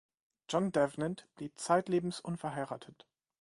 John Davenant blieb zeitlebens unverheiratet.